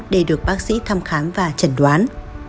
để được bác sĩ thăm khám và chẩn đoán